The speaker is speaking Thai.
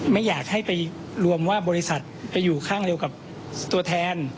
ไม่อยากให้ไปรวมว่าบริษัทไปอยู่ข้างเดียวกับตัวแทน